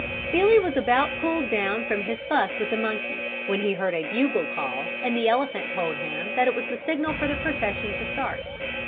Billy was about cooled down from his fuss with the monkey, when he heard a bugle call and the elephant told him that it was the signal for the procession to start.